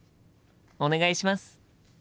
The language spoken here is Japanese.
お願いします。